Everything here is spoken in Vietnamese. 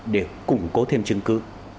để củng cố thêm chứng cứ